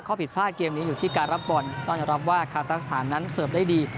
ผิดพลาดเกมนี้อยู่ที่การรับบอลต้องยอมรับว่าคาซักสถานนั้นเสิร์ฟได้ดี